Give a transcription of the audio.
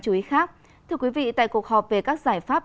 thưa quý vị tại cuộc họp về các giải pháp